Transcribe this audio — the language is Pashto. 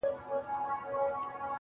• شاعري سمه ده چي ته غواړې.